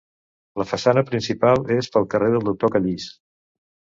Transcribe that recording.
La façana principal és pel carrer del Doctor Callís.